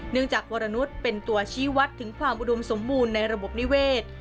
จากวรนุษย์เป็นตัวชี้วัดถึงความอุดมสมบูรณ์ในระบบนิเวศ